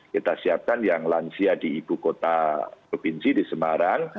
kita siapkan yang lansia di ibukota provinsi di semarang